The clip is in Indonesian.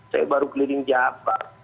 saya baru keliling jawa